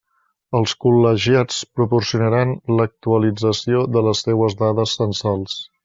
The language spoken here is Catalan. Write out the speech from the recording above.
Els col·legiats proporcionaran l'actualització de les seues dades censals.